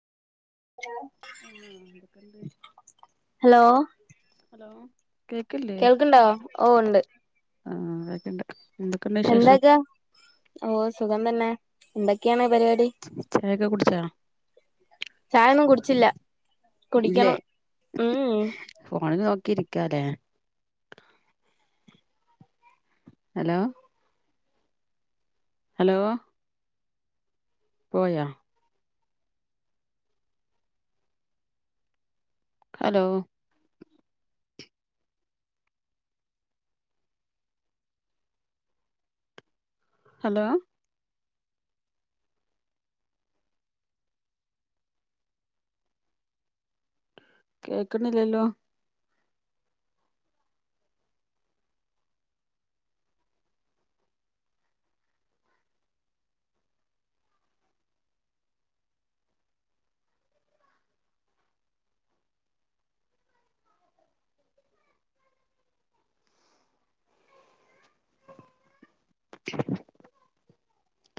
ആഹ് എന്തൊക്കെണ്ട് hello hello കേക്കില്ലേ കേൾക്കണ്ടോ, ഓ ഉണ്ട്. ആ കേക്കണ്ട്. എന്തൊക്കെ? ഓ സുഖം തന്നെ എന്തൊക്കെയാണ്? പരിപാടി ചായൊക്ക കുടിച്ചാ? ചായൊന്നും കുടിച്ചില്ല ഇല്ലേ, കുടിക്കണം ഉം ഫോൺ നോക്കിരി ക്കാലേ. ഹലോ ഹലോ പോയാ ഹലോ ഹലോ കേക്കുന്നില്ലല്ലോ.